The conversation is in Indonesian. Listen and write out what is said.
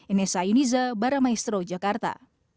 ines ayuniza baramaestro jakarta